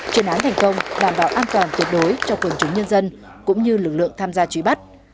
chuyên án thành công đảm bảo an toàn tuyệt đối cho quần chúng nhân dân cũng như lực lượng tham gia trí bắt